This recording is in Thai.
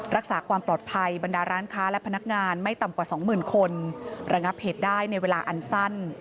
รักษาความปลอดภัยบรรดาร้านค้าและพนักงานไม่ต่ำกว่าสองหมื่นคนระงับเหตุได้ในเวลาอันสั้น